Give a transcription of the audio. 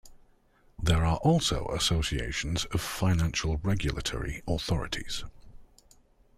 There are also associations of financial regulatory authorities.